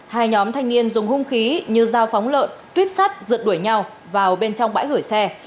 hai nhóm thanh niên dùng hung khí như dao phóng lợn tuyếp sắt rượt đuổi nhau vào bên trong bãi gửi xe